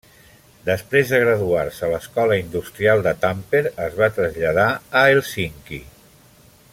Després de graduar-se a l'Escola Industrial de Tampere es va traslladar a Hèlsinki.